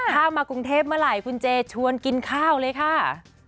ถ้ามากรุงเทพเมื่อไหร่คุณเจชวนกินข้าวเลยค่ะ